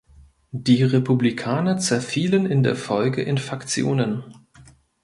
Die Republikaner zerfielen in der Folge in Faktionen.